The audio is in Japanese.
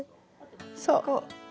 そう！